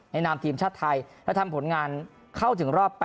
นามทีมชาติไทยและทำผลงานเข้าถึงรอบ๘